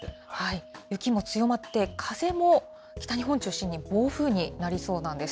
雪も強まって、風も北日本中心に、暴風になりそうなんです。